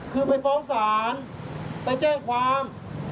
คือไปฟ้องศาลไปแจ้งความ